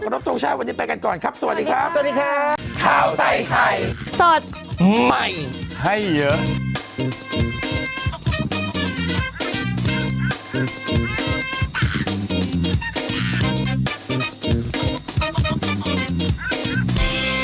กับรบโชว์ชายวันนี้ไปกันก่อนครับสวัสดีครับ